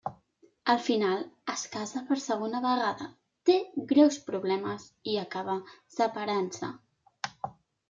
Al final, es casa per segona vegada, té greus problemes i acaba separant-se.